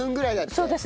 そうです。